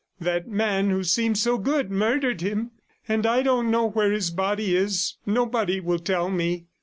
That man who seemed so good murdered him. ... And I don't know where his body is; nobody will tell me."